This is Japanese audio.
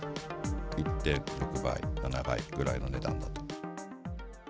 １．６倍１．７倍ぐらいの値段だと。